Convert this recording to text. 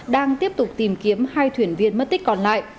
đang tiếp tục tìm kiếm hai thuyền viên mất tích còn lại